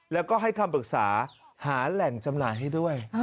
แล้วก็ให้คำปรึกษาหาแหล่งจำหน่ายให้ด้วย